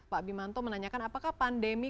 pak bimanto menanyakan apakah pandemi